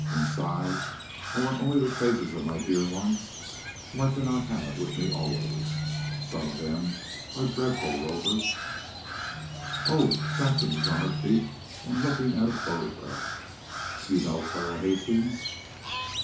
"Inside I want only the faces of my dear ones whom I cannot have with me always. Some of them are dreadful rovers." "Oh!" Saxon was on her feet and looking at a photograph. "You know Clara Hastings!"